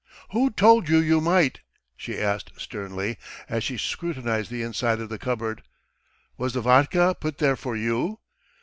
"Who told you you might?" she asked sternly, as she scrutinized the inside of the cupboard. "Was the vodka put there for you?"